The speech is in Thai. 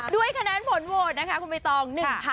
ด้วยคะแนนผลโหวตนะคะคุณเบตอง๑๕๑๕คะแนนค่ะ